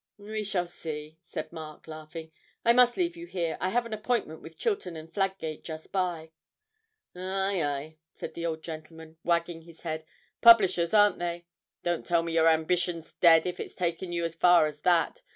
'We shall see,' said Mark laughing. 'I must leave you here. I have an appointment with Chilton & Fladgate just by.' 'Ay, ay,' said the old gentleman, wagging his head; 'publishers, aren't they? Don't tell me your ambition's dead if it's taken you as far as that.